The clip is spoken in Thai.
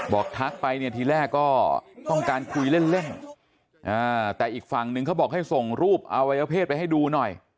ทักไปเนี่ยทีแรกก็ต้องการคุยเล่นแต่อีกฝั่งนึงเขาบอกให้ส่งรูปอวัยวเพศไปให้ดูหน่อย